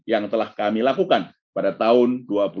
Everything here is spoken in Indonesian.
yang telah kami lakukan pada tahun dua ribu dua puluh